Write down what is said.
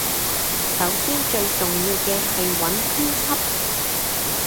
首先最重要嘅係揾編輯